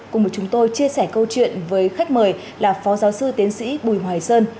cùng với chúng tôi chia sẻ câu chuyện với khách mời là phó giáo sư tiến sĩ bùi hoài sơn